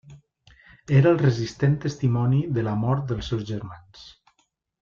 Era el resistent testimoni de la mort dels seus germans.